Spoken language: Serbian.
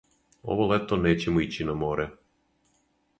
Ово лето нећемо ићи на море.